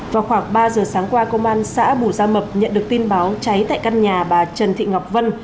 vào khoảng ba giờ sáng qua công an xã bù gia mập nhận được tin báo cháy tại căn nhà bà trần thị ngọc vân